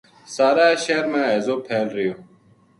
سارا شہر ما ہیضو پھیل رہیو